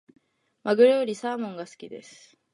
マグロよりサーモンが好きです。